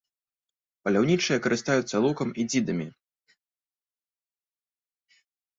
Паляўнічыя карыстаюцца лукам і дзідамі.